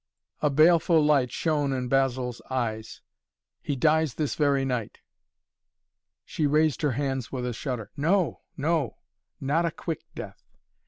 A baleful light shone in Basil's eyes. "He dies this very night." She raised her hands with a shudder. "No no! Not a quick death!